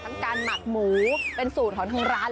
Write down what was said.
ตั้งการหมากหมูเป็นสูตรของทั้งร้าน